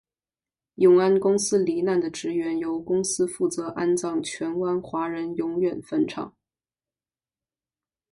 永安公司罹难的职员由公司负责安葬荃湾华人永远坟场。